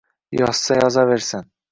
Yozsa, yozaversin…